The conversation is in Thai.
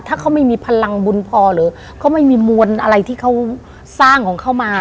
ถ้าเขาไม่มีพลังบุญพอหรือเขาไม่มีมวลอะไรที่เขาสร้างของเขามา